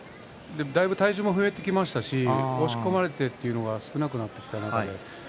体重も増えてきましたし押し込まれてというのが少なくなってきています。